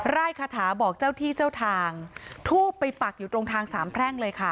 ไล่คาถาบอกเจ้าที่เจ้าทางทูบไปปักอยู่ตรงทางสามแพร่งเลยค่ะ